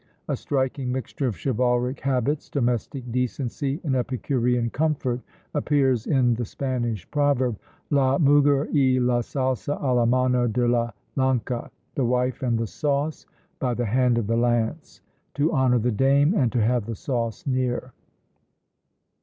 A striking mixture of chivalric habits, domestic decency, and epicurean comfort, appears in the Spanish proverb, La muger y la salsa a la mano de la lança: "The wife and the sauce by the hand of the lance;" to honour the dame, and to have the sauce near.